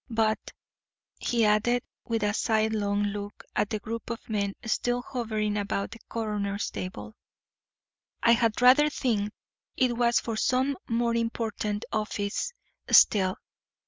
But," he added, with a sidelong look at the group of men still hovering about the coroner's table, "I had rather think it was for some more important office still.